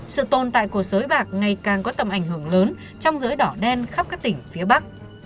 sự tồn tại của xối bạc ngày càng có tầm ảnh hưởng lớn trong giới đỏ đen khắp các tỉnh phía bắc